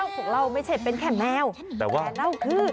ความลับของแมวความลับของแมว